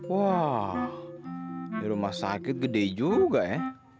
wah di rumah sakit gede juga ya